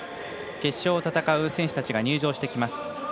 決勝を戦う選手たちが入場してきます。